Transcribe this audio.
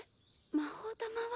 魔法玉は？